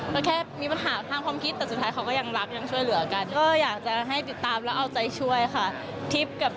ทุกวันจานวันอังคารอย่าลืมติดตามดูนะ